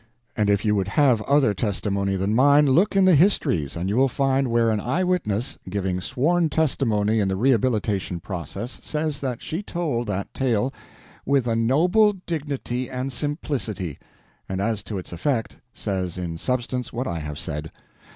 And if you would have other testimony than mine, look in the histories and you will find where an eyewitness, giving sworn testimony in the Rehabilitation process, says that she told that tale "with a noble dignity and simplicity," and as to its effect, says in substance what I have said.